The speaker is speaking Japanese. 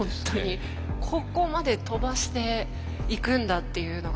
ここまで飛ばしていくんだっていうのが。